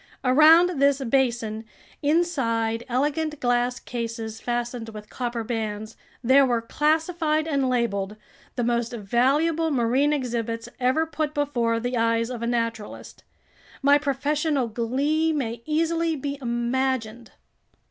Around this basin, inside elegant glass cases fastened with copper bands, there were classified and labeled the most valuable marine exhibits ever put before the eyes of a naturalist. My professorial glee may easily be imagined.